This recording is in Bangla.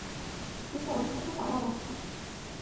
কিন্তু ঐ ঘর তো তালাবন্ধ।